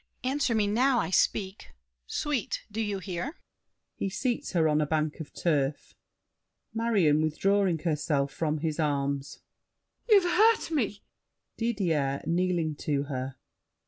Answer me now. I speak! Sweet, do you hear? [He seats her on a bank of turf. MARION (withdrawing herself from his arms). You've hurt me! DIDIER (kneeling to her).